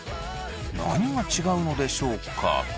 何が違うのでしょうか？